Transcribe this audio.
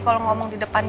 saya harus berbanku